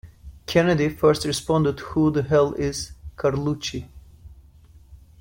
Kennedy first responded Who the hell is Carlucci?